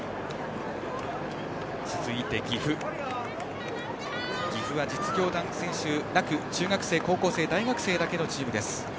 続いて岐阜は実業団選手なく中学生、高校生大学生だけのチームです。